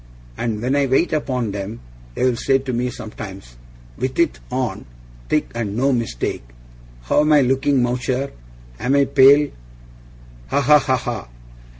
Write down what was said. And when I wait upon 'em, they'll say to me sometimes WITH IT ON thick, and no mistake "How am I looking, Mowcher? Am I pale?" Ha! ha! ha! ha!